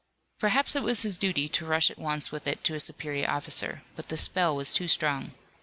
Perhaps it was his duty to rush at once with it to a superior officer, but the spell was too strong.